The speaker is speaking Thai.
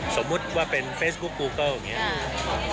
สมมุติว่าเป็นเฟสบุ๊คกูเกิ้ล